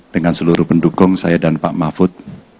dengan seluruh pendukung saya dan pak mahfud